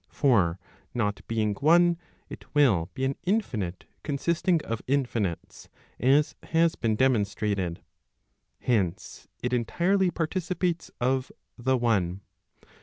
For not. being one, it will be an infinite consisting of infinites, as has been demon¬ strated. Hence, it entirely participates of the one.